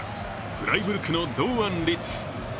フライブルクの堂安律。